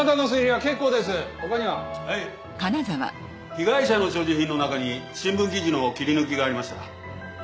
被害者の所持品の中に新聞記事の切り抜きがありました。